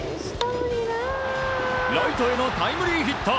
ライトへのタイムリーヒット。